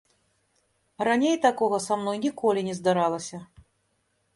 Раней такога са мной ніколі не здаралася.